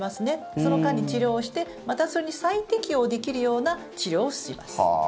その間に治療をしてまたそれに再適応できるような治療をします。